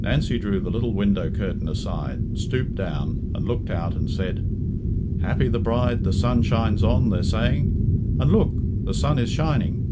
Nancy drew the little window curtain aside, stooped down, and looked out and said, "'Happy the bride the sun shines on' they're saying, and look! the sun is shining."